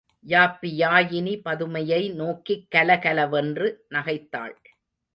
யாப்பியாயினி பதுமையை நோக்கிக் கலகல வென்று நகைத்தாள்.